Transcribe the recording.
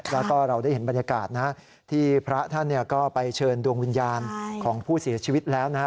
แล้วก็เราได้เห็นบรรยากาศนะที่พระท่านก็ไปเชิญดวงวิญญาณของผู้เสียชีวิตแล้วนะครับ